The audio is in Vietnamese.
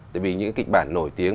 tại vì những kịch bản nổi tiếng